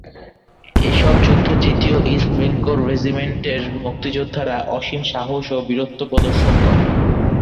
এসব যুদ্ধে তৃতীয় ইস্ট বেঙ্গল রেজিমেন্টের মুক্তিযোদ্ধারা অসীম সাহস ও বীরত্ব প্রদর্শন করেন।